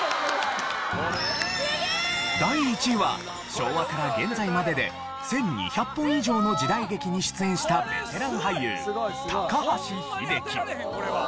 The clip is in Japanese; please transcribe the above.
第１位は昭和から現在までで１２００本以上の時代劇に出演したベテラン俳優高橋英樹。